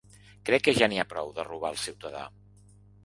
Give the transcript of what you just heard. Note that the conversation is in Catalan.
Crec que ja n’hi ha prou de robar al ciutadà.